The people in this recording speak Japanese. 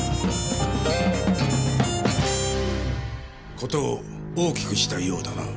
事を大きくしたいようだな。